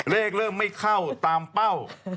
เริ่มไม่เข้าตามเป้า